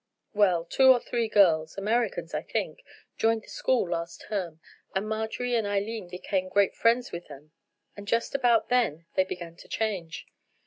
"Well, two or three girls—Americans, I think—joined the school last term, and Marjorie and Eileen became great friends with them; and just about then they began to change.